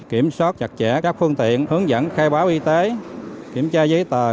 kiểm soát chặt chẽ các phương tiện hướng dẫn khai báo y tế kiểm tra giấy tờ